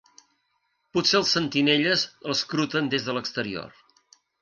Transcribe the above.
Potser els sentinelles l'escruten des de l'exterior.